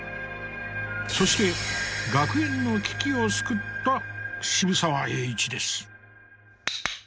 そして学園の危機を救った渋沢栄一です。